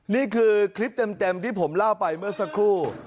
นี่คือคลิปเต็มที่ผมเล่าไปเมื่อสักครู่